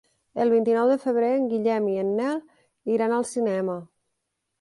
El vint-i-nou de febrer en Guillem i en Nel iran al cinema.